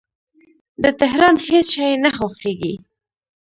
د تهران هیڅ شی نه خوښیږي